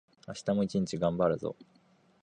明日も一日がんばるぞ